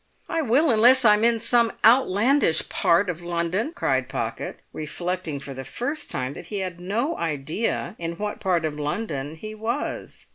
"I will unless I'm in some outlandish part of London!" cried Pocket, reflecting for the first time that he had no idea in what part of London he was.